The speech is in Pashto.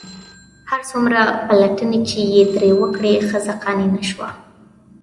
هر څومره پلټنې چې یې ترې وکړې ښځه قانع نه شوه.